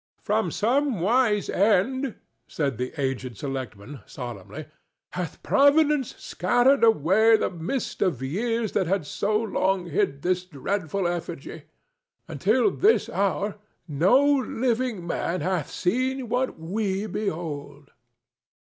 "For some wise end," said the aged selectman, solemnly, "hath Providence scattered away the mist of years that had so long hid this dreadful effigy. Until this hour no living man hath seen what we behold."